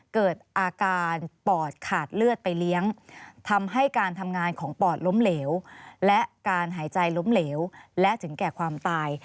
เกิดอาการปอดขาดเลือดไปเลี้ยงทำให้การทำงานของปอดล้มเหลวและการหายใจล้มเหลวและถึงแก่ความตาย